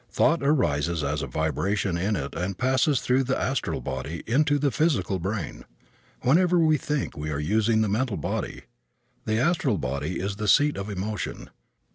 Thought arises as a vibration in it and passes through the astral body into the physical brain. Whenever we think we are using the mental body. The astral body is the seat of emotion.